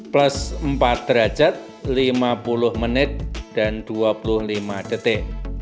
plus empat derajat lima puluh menit dan dua puluh lima detik